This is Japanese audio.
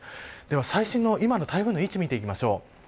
では最新の、今の台風の位置を見ていきましょう。